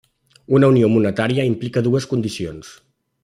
Una unió monetària implica dues condicions.